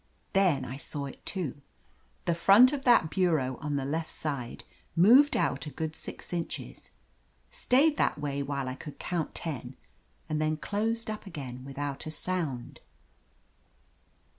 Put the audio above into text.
Then I saw it too. The front of that bureau on the left side moved out a good six inches, stayed that way while I could count ten, and then closed up again without a sound.